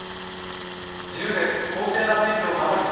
自由で公正な選挙を守り